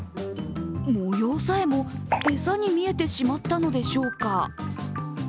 模様さえも餌に見えてしまったのでしょうか。